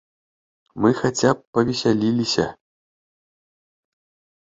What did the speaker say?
Мы хаця б павесяліліся!